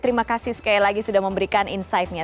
terima kasih sekali lagi sudah memberikan insight nya